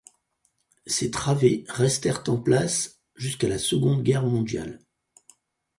Ces travées restèrent en place jusqu'à la Seconde Guerre mondiale.